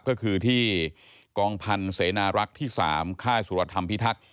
ก็คือที่กองพันธุ์เสนารักษ์ที่๓ค่ายสุรธรรมพิทักษ์